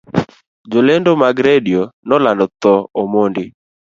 Jolendo mag radio ne olando thoo omondi